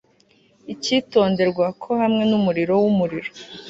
icyitonderwa, ko hamwe numuriro wumuriro